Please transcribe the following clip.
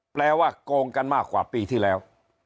แปลว่าโกงกันมากกว่าปีที่แล้ว